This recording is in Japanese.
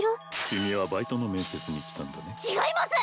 君はバイトの面接に来たんだね違います！